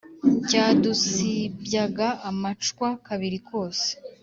cyadusibyaga amacwa kabiri kose